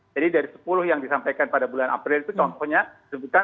jadi dari sepuluh yang disampaikan pada bulan april itu contohnya